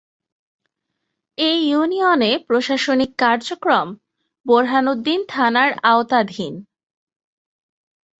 এ ইউনিয়নের প্রশাসনিক কার্যক্রম বোরহানউদ্দিন থানার আওতাধীন।